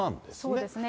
そうですね。